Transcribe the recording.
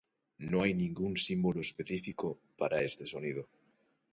No hay ningún símbolo específico para este sonido.